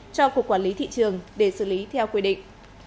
cho cục quản lý thị trường để xử lý theo quy định